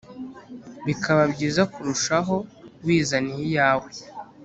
bikaba byiza kurushaho wizaniye iyawe